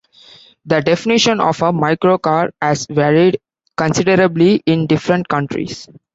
The definition of a microcar has varied considerably in different countries.